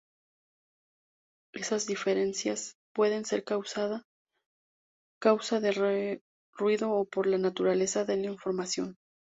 Estas diferencias pueden ser causa de ruido o por la naturaleza de la información.